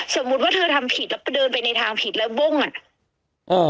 สมมุติว่าเธอทำผิดแล้วก็เดินไปในทางผิดแล้วบ้งอ่ะ